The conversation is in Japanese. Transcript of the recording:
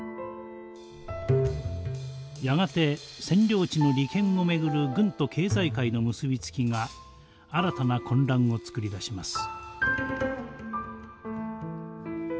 やがて占領地の利権を巡る軍と経済界の結び付きが新たな混乱を作り出します。